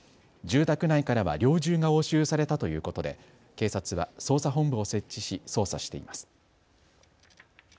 住宅内からは猟銃が押収されたということで警察は捜査本部を設置し捜査しています。